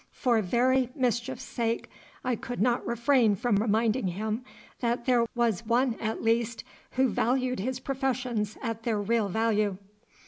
For very mischief's sake I could not refrain from reminding him that there was one at least who valued his professions at their real value.